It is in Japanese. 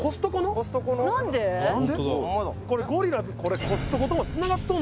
「これゴリラーズ」